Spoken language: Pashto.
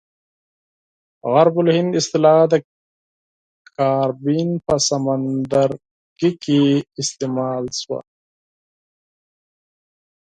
غرب الهند اصطلاح د کاربین په سمندرګي کې استعمال شوه.